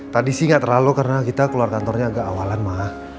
tadi sih nggak terlalu karena kita keluar kantornya agak awalan mah